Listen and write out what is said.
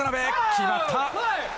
決まった！